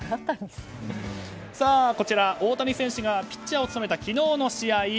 大谷選手がピッチャーを務めた昨日の試合。